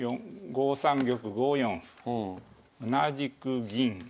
５三玉５四歩同じく銀